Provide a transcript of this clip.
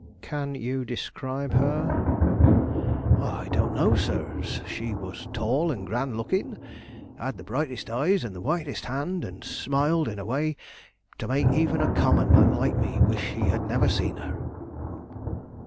"Can you describe her?" "I don't know, sirs; she was tall and grand looking, had the brightest eyes and the whitest hand, and smiled in a way to make even a common man like me wish he had never seen her."